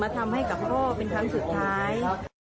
ทำให้กับพ่อเป็นครั้งสุดท้าย